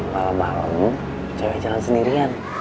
malem malem cewek jalan sendirian